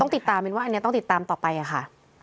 ติดตามมินว่าอันนี้ต้องติดตามต่อไปค่ะ